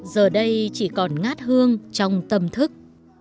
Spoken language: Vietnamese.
giờ đây chỉ còn ngát hương trong tâm thức